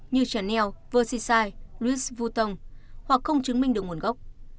như chanel versace louis vuitton hoặc không chứng minh được nguồn gốc